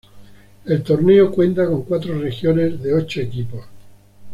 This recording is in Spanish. El torneo cuenta con cuatro regiones de ocho equipos.